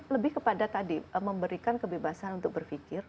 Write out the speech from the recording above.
lebih kepada tadi memberikan kebebasan untuk berpikir